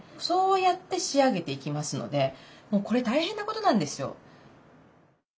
そうやって仕上げていきますのでこれ大変なことなんですよ。